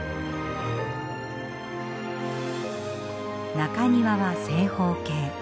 中庭は正方形。